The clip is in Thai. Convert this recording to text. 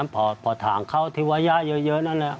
พอทางเข้าทีวาย่ายเยอะนั่นแหละ